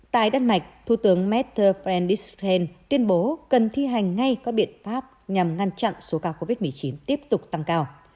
tại đan mạch thủ tướng mather frandisken tuyên bố cần thi hành ngay các biện pháp nhằm ngăn chặn số ca covid một mươi chín tiếp tục tăng cao